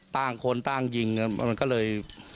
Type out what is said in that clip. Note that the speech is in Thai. ตั้งคนตั้งยิงมันก็เลย